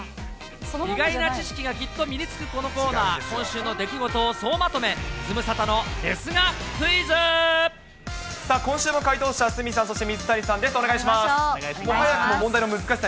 意外な知識がきっと身につくこのコーナー、今週の出来事を総まとめ、さあ、今週も回答者、鷲見さん、そして水谷さんです。